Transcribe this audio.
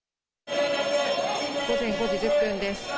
午前５時１０分です。